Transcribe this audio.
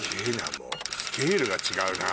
もうスケールが違うな。